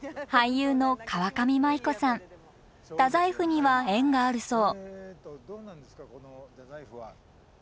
太宰府には縁があるそう。